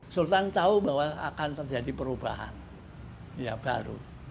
sultan tahu bahwa akan terjadi perubahan ya baru